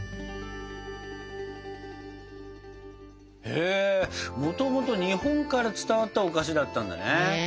へもともと日本から伝わったお菓子だったんだね。